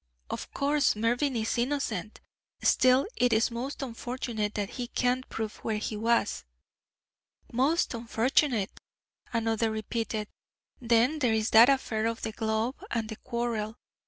"Of course Mervyn is innocent; still it is most unfortunate that he can't prove where he was." "Most unfortunate," another repeated. "Then there's that affair of the glove and the quarrel.